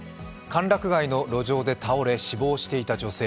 歓楽街の路上で倒れ、死亡していた女性。